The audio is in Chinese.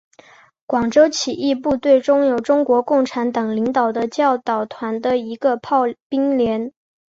广州起义部队中有中国共产党领导的教导团的一个炮兵连。